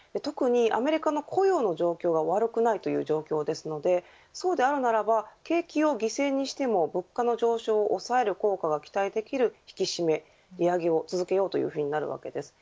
アメリカの雇用の状況が悪くないという状況なのでそうであるならば、景気を犠牲にしても物価の上昇を抑える効果が期待できる引き締め、利上げを続けようというわけです。